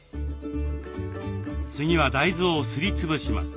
次は大豆をすり潰します。